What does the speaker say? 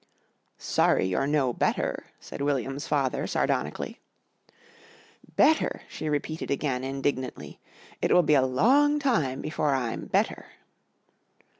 "Sorry you're no better," said William's father sardonically. "Better?" she repeated again indignantly. "It will be a long time before I'm better."